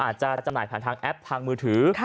อาจจะจำหน่ายผ่านทางแอปทางมือถือ